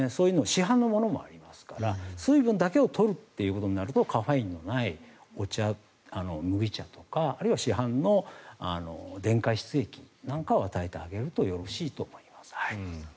市販のものもありますから水分だけを取るとなるとカフェインのない麦茶とかあるいは市販の電解質液なんかを与えてあげるとよろしいと思います。